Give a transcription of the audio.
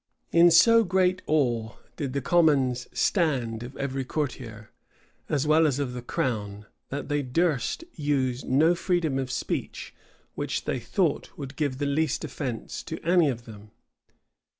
In so great awe did the commons stand of every courtier, as well as of the crown, that they durst use no freedom of speech which they thought would give the least offence to any of them.